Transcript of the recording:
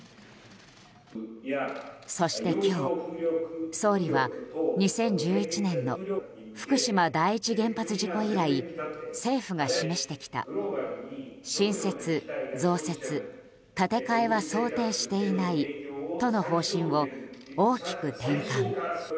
そして今日、総理は２０１１年の福島第一原発事故以来政府が示してきた新設・増設、建て替えは想定しないとの方針を大きく転換。